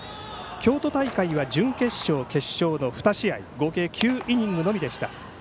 京都大会は準決勝、決勝の２試合合計９イニングのみでした。